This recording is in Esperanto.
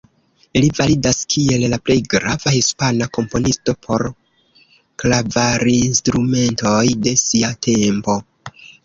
Li validas kiel la plej grava Hispana komponisto por klavarinstrumentoj de sia tempo.